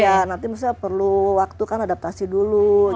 ya nanti misalnya perlu waktu kan adaptasi dulu gitu